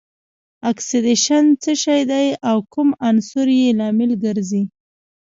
اکسیدیشن څه شی دی او کوم عنصر یې لامل ګرځي؟